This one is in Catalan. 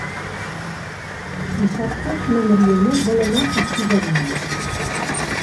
Dissabte na Mariona vol anar a Sidamon.